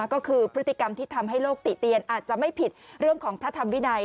ก็คือพฤติกรรมที่ทำให้โลกติเตียนอาจจะไม่ผิดเรื่องของพระธรรมวินัย